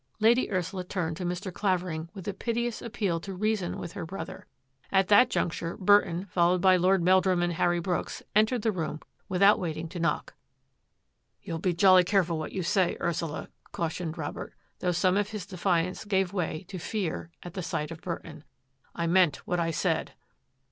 Lady Ursula turned to Mr. Clavering with a piteous appeal to reason with her brother. At that juncture Burton, followed by Lord Meldrum and Harry Brooks, entered the room without wait ing to knock. " You be jolly careful what you say, Ursula," cautioned Robert, though some of his defiance gave way to fear at sight of Burton. " I meant what I said."